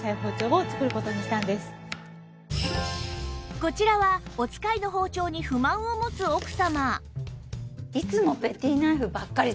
こちらはお使いの包丁に不満を持つ奥様